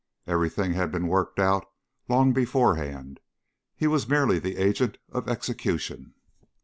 Everything had been worked out long beforehand; he was merely the agent of execution.